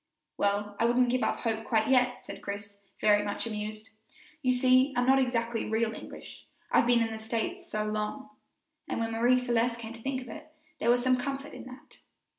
"Well, I wouldn't give up hope quite yet," said Chris, very much amused; "you see, I'm not exactly real English, I've been in the States so long;" and when Marie Celeste came to think of it, there was some comfort in that.